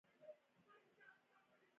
د دغو ملاتړو نومونه حسین بېګ او عبدالرحیم وو.